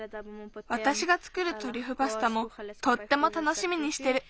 わたしがつくるトリュフパスタもとってもたのしみにしてる。